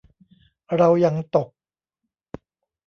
เรายังตก